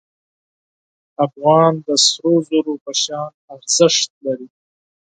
افغان د سرو زرو په شان ارزښت لري.